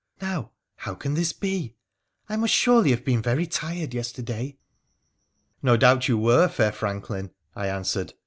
Now how can this be ? I must surely have been very tired yesterday.' ' No doubt you were, fair franklin,' I answered.